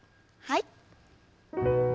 はい。